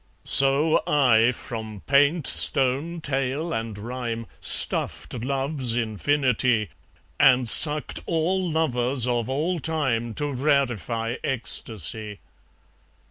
So I, from paint, stone, tale, and rhyme, Stuffed love's infinity, And sucked all lovers of all time To rarify ecstasy.